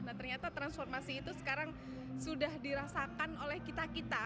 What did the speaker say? nah ternyata transformasi itu sekarang sudah dirasakan oleh kita kita